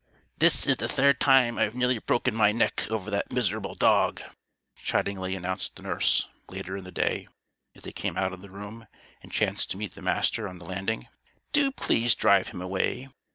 "This is the third time I've nearly broken my neck over that miserable dog," chidingly announced the nurse, later in the day, as she came out of the room and chanced to meet the Master on the landing. "Do please drive him away.